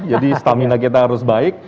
jadi stamina kita harus baik